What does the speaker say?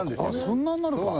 そんなになるか。